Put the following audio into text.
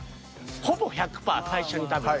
ほぼ１００パー最初に食べる。